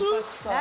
何？